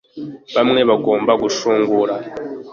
bamwe bagomba gushungura